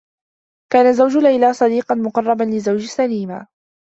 كان زوج ليلى صديقا مقرّبا لزوج سليمة.